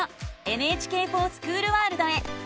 「ＮＨＫｆｏｒＳｃｈｏｏｌワールド」へ。